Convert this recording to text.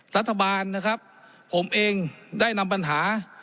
รัฐบาลนะครับผมเองได้นำปัญหา